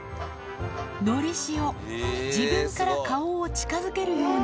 のりしお、自分から顔を近づけるように。